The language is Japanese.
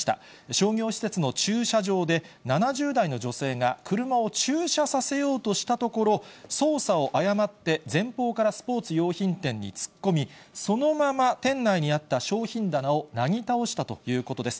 商業施設の駐車場で、７０代の女性が、車を駐車させようとしたところ、操作を誤って前方からスポーツ用品店に突っ込み、そのまま店内にあった商品棚をなぎ倒したということです。